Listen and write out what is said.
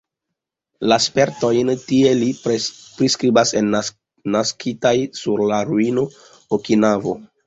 La spertojn tie li priskribas en "Naskitaj sur la ruino: Okinavo".